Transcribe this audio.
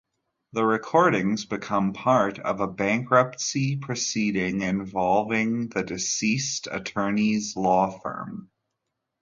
The recordings became part of a bankruptcy proceeding involving the deceased attorney's law firm.